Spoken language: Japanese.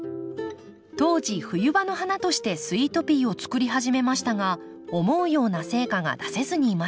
当時冬場の花としてスイートピーをつくり始めましたが思うような成果が出せずにいました。